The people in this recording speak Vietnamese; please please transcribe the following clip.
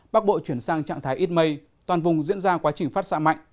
bắc bộ chuyển sang trạng thái ít mây toàn vùng diễn ra quá trình phát xạ mạnh